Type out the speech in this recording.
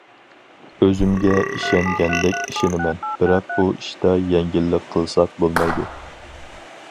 ئۆزۈمگە ئىشەنگەندەك ئىشىنىمەن، بىراق بۇ ئىشتا يەڭگىللىك قىلساق بولمايدۇ.